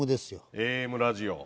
ＡＭラジオ。